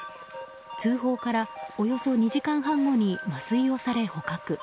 通報からおよそ２時間半後に麻酔をされ、捕獲。